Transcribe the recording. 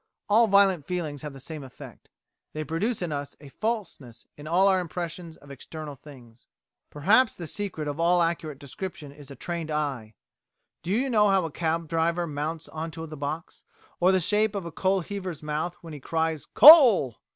All violent feelings have the same effect. They produce in us a falseness in all our impressions of external things." Perhaps the secret of all accurate description is a trained eye. Do you know how a cab driver mounts on to the box, or the shape of a coal heaver's mouth when he cries "Coal!"?